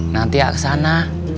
nanti ya kesana